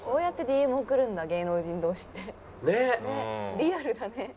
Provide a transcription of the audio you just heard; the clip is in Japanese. リアルだね。